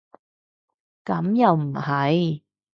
咁又唔係